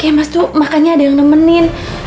kayak mas tuh makannya ada yang nemenin